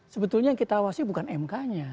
sebetulnya kita awasi bukan imk nya